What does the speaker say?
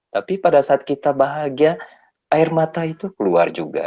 tapi pada saat kita bahagia air mata itu keluar juga